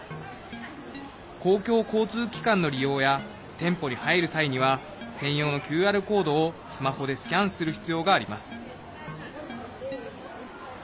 公共交通機関の利用や店舗に入る際には専用のＱＲコードをスマホでスキャンする必要があります。